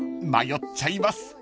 ［迷っちゃいます］